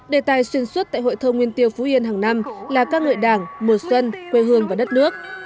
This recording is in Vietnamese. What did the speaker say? đề tài xuyên suốt tại hội thơ nguyên tiêu phú yên hàng năm là ca ngợi đảng mùa xuân quê hương và đất nước